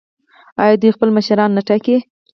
آیا دوی خپل مشران نه ټاکي؟